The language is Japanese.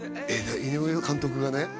井上監督がね